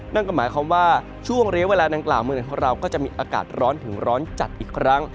นั่นก็หมายความว่าช่วงเรียกเวลานางกล่าวเมืองไหนของเราก็จะมีอากาศร้อนถึงร้อนจัดอีกครั้ง